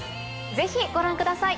ぜひご覧ください。